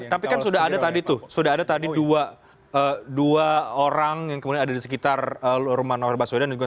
tapi kan sudah ada tadi tuh sudah ada tadi dua orang yang kemudian ada di sekitar rumah novel baswedan